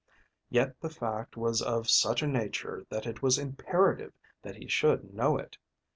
Yet the fact was of such a nature that it was imperative that he should know it.